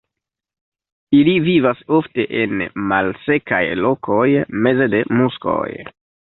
Ili vivas ofte en malsekaj lokoj meze de muskoj.